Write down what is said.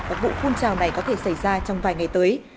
và vụ phun trào này có thể xảy ra trong vài ngày tới